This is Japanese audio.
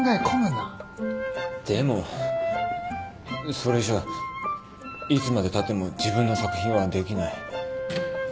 でもそれじゃいつまでたっても自分の作品はできない。